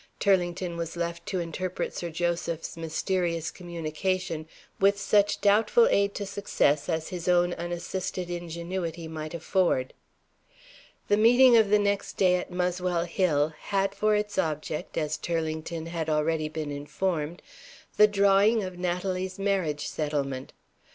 Turlington was left to interpret Sir Joseph's mysterious communication with such doubtful aid to success as his own unassisted ingenuity might afford. The meeting of the next day at Muswell Hill had for its object as Turlington had already been informed the drawing of Natalie's marriage settlement.